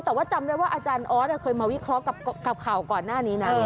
แต่ว่าจำได้ว่าอาจารย์ออสเคยมาวิเคราะห์กับข่าวก่อนหน้านี้นะ